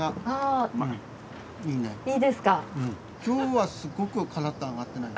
今日はすごくカラッと揚がってない？